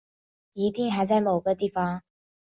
一定还在某个地方